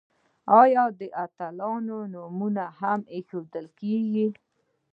آیا د اتلانو نومونه هم نه ایښودل کیږي؟